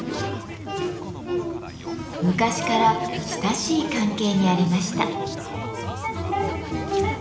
昔から親しい関係にありました。